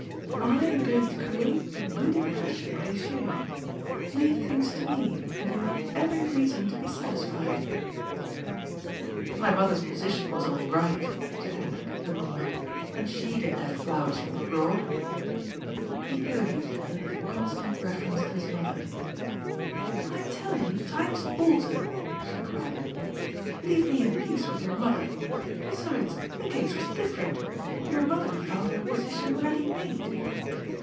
I am going to create a good impression, I assure you. Leave things to me, and you will have every reason to be satisfied.^' "My mother's position was all right," said Hendrik, annoyed, " and she didn't have iSowers from abroad." He irritated her with the constant reference to his mother. " I tell you, times alter," she cried. " Leave me in peace with your mother. Besides, the case was different. Your mother found her position ready made."